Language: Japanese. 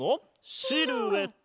シルエット！